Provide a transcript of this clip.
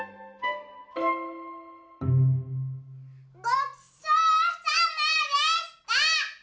ごちそうさまでした！